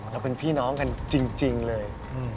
เราเป็นพี่น้องกันจริงเลย